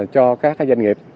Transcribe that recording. cho các cái doanh nghiệp